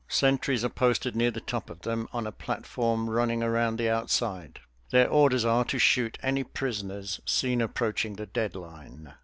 Sentries are posted near the top of them on a platform running around the outside. Their orders are to shoot any prisoners seen approaching the dead line.